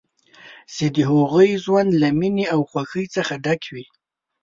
چې د هغوی ژوند له مینې او خوښۍ څخه ډک وي.